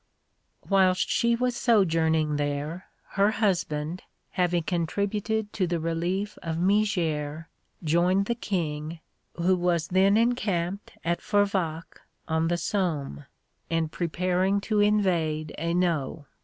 Whilst she was sojourning there, her husband, having contributed to the relief of Mézières, joined the King, who was then encamped at Fervacques on the Somme, and preparing to invade Hainault.